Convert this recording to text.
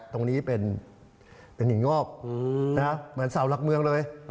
ตรงนี้เป็นหินงอกเหมือนเสาหลักเมืองเลย